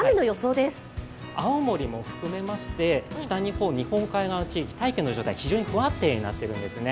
青森も含めまして、北日本、日本海側の地域、大気の状態が非常に不安定になっているんですよね。